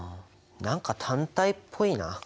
何か単体っぽいな。